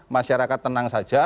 masyarakat tenang saja